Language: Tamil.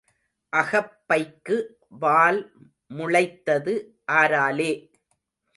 அகப்பைக்கு வால் முளைத்தது ஆராலே?